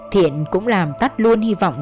thiện cũng làm tắt luôn hy vọng